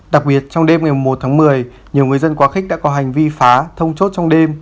đặc biệt trong đêm ngày một tháng một mươi nhiều người dân quá khích đã có hành vi phá thông chốt trong đêm